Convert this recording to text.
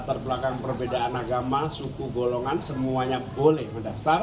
dan saya juga ingin mengucapkan terima kasih kepada semua masyarakat yang telah menerima pendaftaran